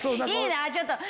いいなぁ。